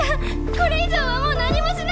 これ以上はもう何もしないで！